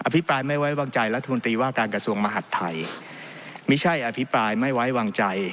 พิปรายไม่ไว้วางใจรัฐมนตรีว่าการกระทรวงมหัฐไทยไม่ใช่อภิปรายไม่ไว้วางใจ